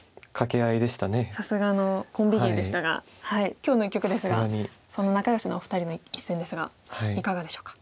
今日の一局ですがその仲よしのお二人の一戦ですがいかがでしょうか？